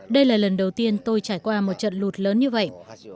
đây là lần đầu tiên tôi trải qua một trận lụt lớn như vậy